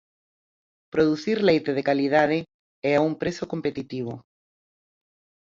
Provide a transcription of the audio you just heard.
Producir leite de calidade e a un prezo competitivo.